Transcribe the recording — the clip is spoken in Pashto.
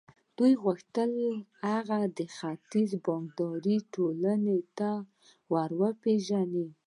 دوی غوښتل هغه د ختيځ د بانکدارانو ټولنې ته ور وپېژني.